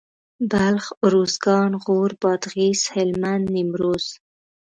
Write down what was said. بلخ اروزګان غور بادغيس هلمند نيمروز